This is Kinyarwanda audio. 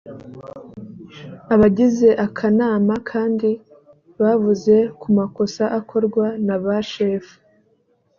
abagize akanama kandi bavuze ku makosa akorwa n abashefu